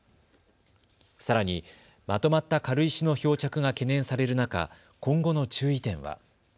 さらに、まとまった軽石の漂着が懸念される中、今後の注意点は。